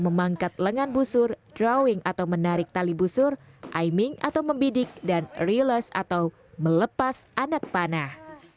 memangkat lengan busur drawing atau menarik tali busur aiming atau membidik dan release atau melepas anak panah